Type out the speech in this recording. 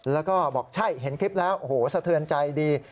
แล้วก็บอกใช่เห็นคลิปแล้วโอ้โหสะเทือนใจดี